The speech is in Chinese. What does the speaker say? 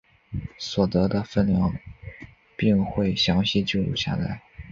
所得的份量并会详细记录下来。